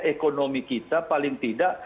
ekonomi kita paling tidak